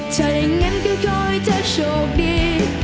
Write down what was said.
ถ้าอย่างนั้นก็ขอให้เธอโชคดี